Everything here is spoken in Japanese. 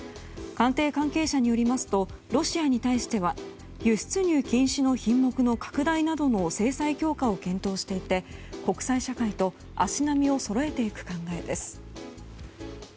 官邸関係者によりますとロシアに対しては輸出入禁止の品目の拡大などの制裁強化を検討していて国際社会と足並みをそろえていく考えです。